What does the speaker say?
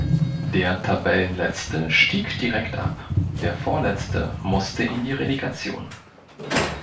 Der Tabellenletzte stieg direkt ab, der Vorletzte musste in die Relegation.